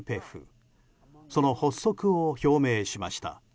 その発足を表明しました。